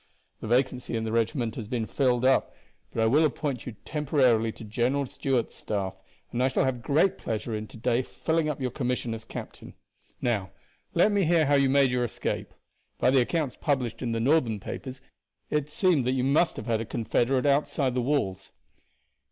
The vacancy in the regiment has been filled up, but I will appoint you temporarily to General Stuart's staff, and I shall have great pleasure in to day filling up your commission as captain. Now let me hear how you made your escape. By the accounts published in the Northern papers it seemed that you must have had a confederate outside the walls."